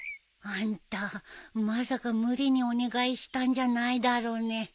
あんたまさか無理にお願いしたんじゃないだろうね。